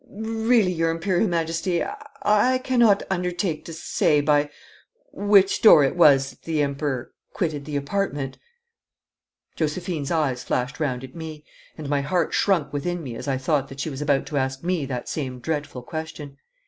'Really, your Imperial Majesty, I cannot undertake to say by which door it was that the Emperor quitted the apartment.' Josephine's eyes flashed round at me, and my heart shrunk within me as I thought that she was about to ask me that same dreadful question.